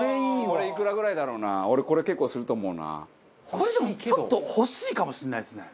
これでもちょっと欲しいかもしれないですね。